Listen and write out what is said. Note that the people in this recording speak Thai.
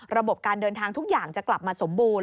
ระบบการเดินทางทุกอย่างจะกลับมาสมบูรณ